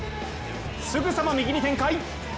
すぐさま右に展開。